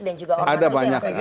dan juga orang orang